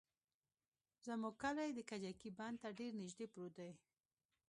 زموږ کلى د کجکي بند ته ډېر نژدې پروت دى.